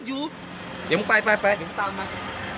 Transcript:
อยู่เดี๋ยวมึงไปไปเดี๋ยวมึงตามมา